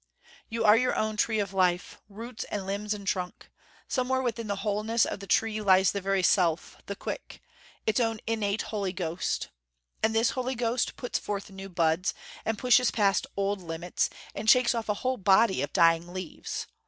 "You are your own Tree of Life, roots and limbs and trunk. Somewhere within the wholeness of the tree lies the very self, the quick: its own innate Holy Ghost. And this Holy Ghost puts forth new buds, and pushes past old limits, and shakes off a whole body of dying leaves.